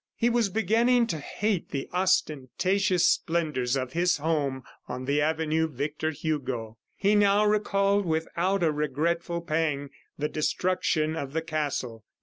He was beginning to hate the ostentatious splendors of his home on the avenue Victor Hugo. He now recalled without a regretful pang, the destruction of the castle.